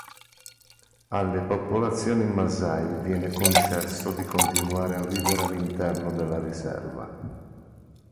Alle popolazioni Masai venne concesso di continuare a vivere all'interno della riserva.